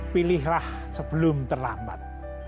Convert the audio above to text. pilihlah sebelum terlambat